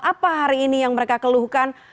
apa hari ini yang mereka keluhkan